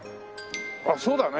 あっそうだね。